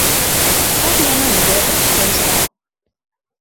Аж яно і добра, што ўзяў.